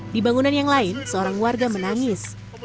di bangunan yang lain seorang warga menangis